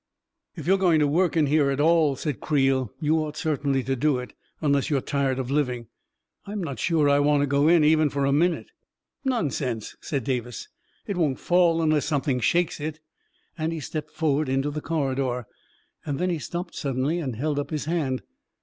"If you are going to work in here at all, 1 ' said Creel, " you ought certainly to do it — unless you're tired of living I I'm not sure I want to go in, even for a minute." " Nonsense 1 " said Davis. " It won't fall unless something shakes it," and he stepped forward into the corridor. Then he stopped suddenly and held up his hand.